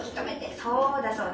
そうだそうだ。